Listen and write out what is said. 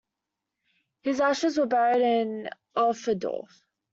His ashes were buried in Oberndorf.